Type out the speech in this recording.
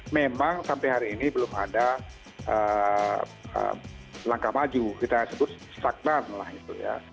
memang sampai hari ini belum ada langkah maju kita sebut stagnan lah gitu ya